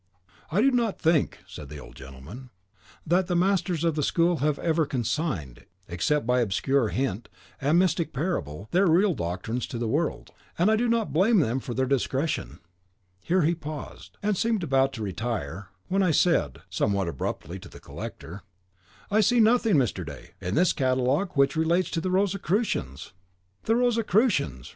"I do not think," said the old gentleman, "that the masters of the school have ever consigned, except by obscure hint and mystical parable, their real doctrines to the world. And I do not blame them for their discretion." Here he paused, and seemed about to retire, when I said, somewhat abruptly, to the collector, "I see nothing, Mr. D , in this catalogue which relates to the Rosicrucians!" "The Rosicrucians!"